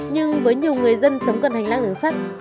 nhưng với nhiều người dân sống gần hành lang đường sắt